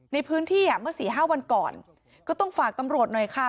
ในพื้นที่อ่ะเมื่อสี่ห้าวันก่อนก็ต้องฝากตำรวจหน่อยค่ะ